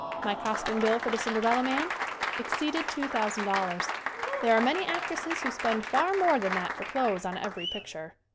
My costume bill for "The Cinderella Man" exceeded $2,000. There are many actresses who spend far more than that for clothes on every picture.